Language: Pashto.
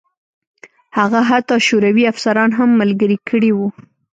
هغه حتی شوروي افسران هم ملګري کړي وو